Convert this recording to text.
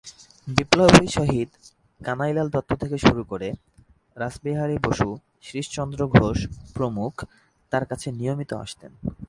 বিপ্লবী শহীদ কানাইলাল দত্ত থেকে শুরু করে রাসবিহারী বসু, শ্রীশচন্দ্র ঘোষ প্রমুখ তার কাছে নিয়মিত আসতেন।